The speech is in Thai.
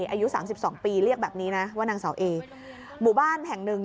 อายุสามสิบสองปีเรียกแบบนี้นะว่านางเสาเอหมู่บ้านแห่งหนึ่ง